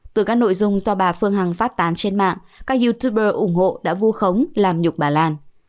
từ các nội dung do bà phương hằng phát tán trên mạng các youtuber ủng hộ đã vu khống làm nhục bà lan